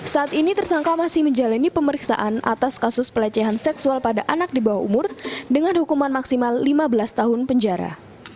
saat ini tersangka masih menjalani pemeriksaan atas kasus pelecehan seksual pada anak di bawah umur dengan hukuman maksimal lima belas tahun penjara